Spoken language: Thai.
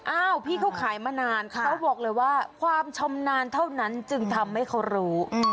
อ้าวพี่เขาขายมานานเขาบอกเลยว่าความชำนาญเท่านั้นจึงทำให้เขารู้